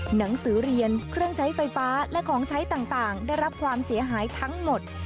หนังสือเรียนเครื่องใช้ไฟฟ้าและของใช้ต่างได้รับความเสียหายทั้งหมด